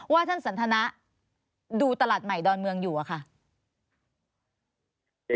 ท่านสันทนะดูตลาดใหม่ดอนเมืองอยู่อะค่ะ